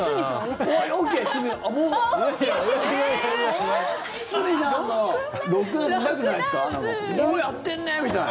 おお、やってんねー！みたいな。